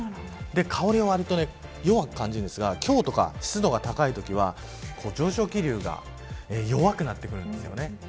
香りはわりと弱く感じますが今日とか、湿度が高いときは上昇気流が弱くなってくるんですよね。